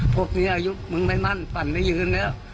พวกนี้อายุมึงไม่มั่นปั่นไม่ยืนแล้ว